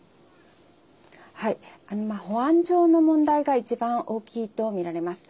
保安上の問題が一番大きいとみられます。